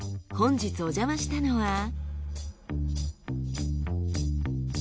本日おじゃましたのは。